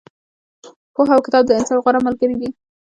پوهه او کتاب د انسان غوره ملګري دي.